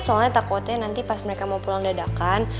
soalnya takutnya nanti pas mereka mau pulang dadakan